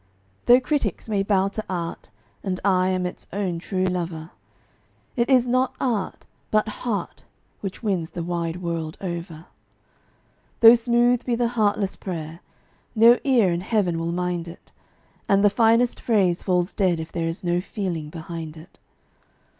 Though critics may bow to art, and I am its own true lover, It is not art, but heart, which wins the wide world over. Though smooth be the heartless prayer, no ear in Heaven will mind it, And the finest phrase falls dead if there is no feeling behind it.